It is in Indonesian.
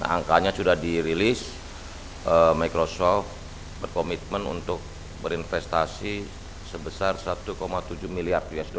angkanya sudah dirilis microsoft berkomitmen untuk berinvestasi sebesar satu tujuh miliar usd